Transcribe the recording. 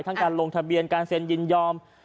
ทั้งการลงทะเบียนการเซนท์ยินยอม